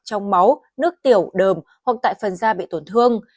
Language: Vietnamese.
trong máu nước tiểu đờm hoặc tại phần da bị tổn thương